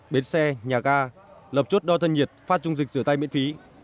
bến xe nhà ga lập chốt đo thân nhiệt phát trung dịch rửa tay miễn phí